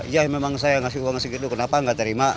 ya memang saya ngasih uang segitu kenapa nggak terima